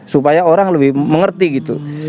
supaya orang lebih mengerti gitu